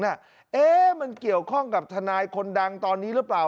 เอ๊ะมันเกี่ยวข้องกับทนายคนดังตอนนี้หรือเปล่า